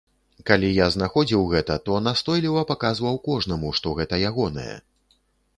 Калі я знаходзіў гэта, то настойліва паказваў кожнаму, што гэта ягонае.